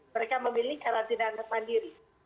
mereka memilih karantina mandiri